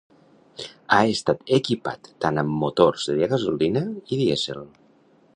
Ha estat equipat tant amb motors de gasolina i dièsel.